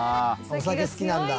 「お酒好きなんだ」